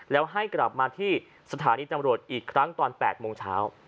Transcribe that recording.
แล้วให้กลับมาที่สถานีตำรวจอีกครั้งตอน๘โมงเช้า